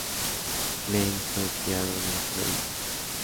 Klein fue criado en el judaísmo.